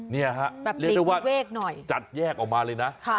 นี่ครับหรือเรียกว่าจัดแยกออกมาเลยนะ